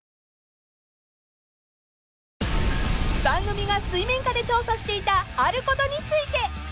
［番組が水面下で調査していたあることについて］